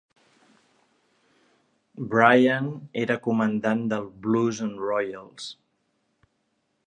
Bryan era comandant del Blues and Royals.